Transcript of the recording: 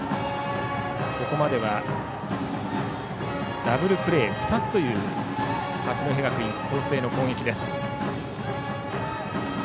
ここまでダブルプレー２つという八戸学院光星の攻撃です。